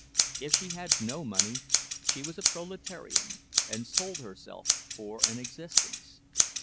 If she had no money, she was a proletarian, and sold herself for an existence.